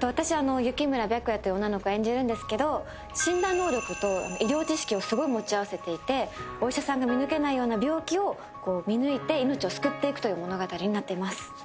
私雪村白夜という女の子を演じるんですけど診断能力と医療知識をすごい持ち合わせていてお医者さんが見抜けないような病気を見抜いて命を救っていくという物語になっています。